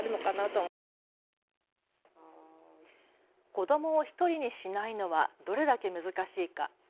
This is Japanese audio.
子どもを１人にしないのはどれだけ難しいか。